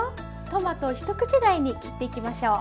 トマトを一口大に切っていきましょう。